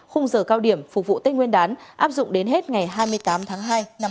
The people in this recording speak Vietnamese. khung giờ cao điểm phục vụ tên nguyên đán áp dụng đến hết ngày hai mươi tám tháng hai